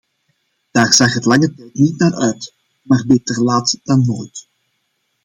Daar zag het lange tijd niet naar uit, maar beter laat dan nooit.